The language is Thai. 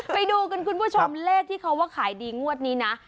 ไปดูกันคุณผู้ชมเลขที่เขาว่าขายดีงวดนี้นะ